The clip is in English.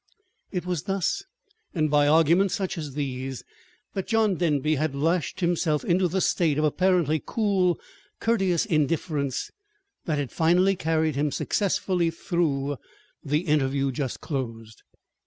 It was thus, and by arguments such as these, that John Denby had lashed himself into the state of apparently cool, courteous indifference that had finally carried him successfully through the interview just closed.